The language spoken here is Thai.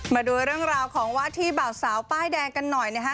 มาดูเรื่องราวของวาดที่เบาสาวป้ายแดงกันหน่อยนะฮะ